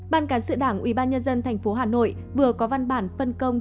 bàn cán sự đảng ubnd tp hcm vừa có văn bản phân công